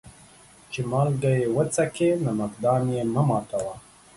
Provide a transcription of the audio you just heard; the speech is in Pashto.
چي مالگه يې وڅکې ، نمک دان يې مه ماتوه.